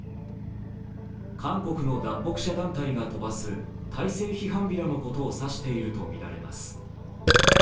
韓国の脱北者団体が飛ばす体制批判ビラのことを指しているとみられます。